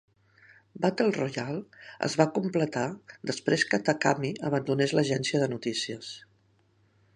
"Battle Royale" es va completar després que Takami abandonés l'agència de notícies.